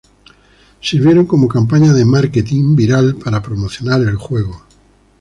Sirvieron como campaña de márketing viral para promocionar el juego.